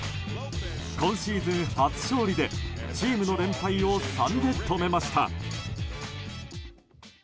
今シーズン初勝利でチームの連敗を３で止めました。